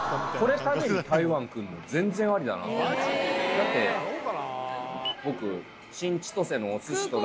だって僕。